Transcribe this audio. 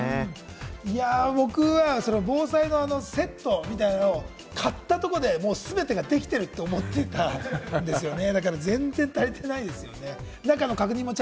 いや、僕は防災のセットみたいなのを買ったところで、もうすべてができてると思っていたんですよね。